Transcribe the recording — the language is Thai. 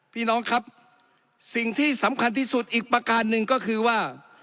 พี่น้องครับสิ่งที่สำคัญที่สุดอีกประการหนึ่งก็คือว่า